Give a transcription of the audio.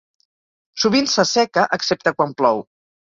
Sovint s'asseca excepte quan plou.